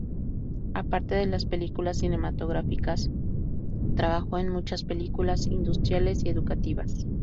Aparte de las películas cinematográficas, trabajó en muchas películas industriales y educativas.